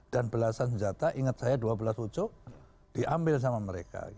dan belasan senjata ingat saya dua belas ucuk diambil sama mereka